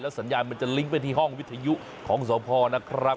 สัญญาณมันจะลิงก์ไปที่ห้องวิทยุของสพนะครับ